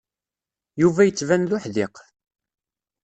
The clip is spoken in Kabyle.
Yuba yettban d uḥdiq.